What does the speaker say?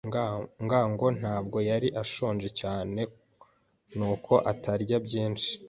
ngango ntabwo yari ashonje cyane, nuko atarya byinshi.